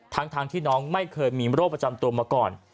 ทั้งที่น้องไม่เคยมีโรคประจำตัวมาก่อน